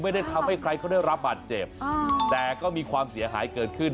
ไม่ได้ทำให้ใครเขาได้รับบาดเจ็บแต่ก็มีความเสียหายเกิดขึ้น